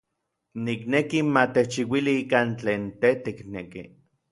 Nikneki ma techchiuili ikan tlen tej tikneki.